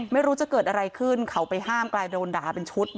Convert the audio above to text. ไม่รู้จะเกิดอะไรขึ้นเขาไปห้ามกลายโดนด่าเป็นชุด